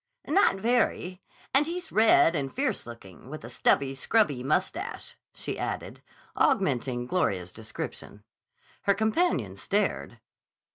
"Not very. And he's red and fierce looking, with a stubby, scrubby mustache," she added, augmenting Gloria's description. Her companion stared.